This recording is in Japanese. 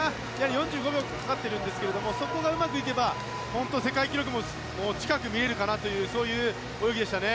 ４５秒かかっているんですけどそこがうまくいけば、世界記録も近く見えるかなという泳ぎでしたね。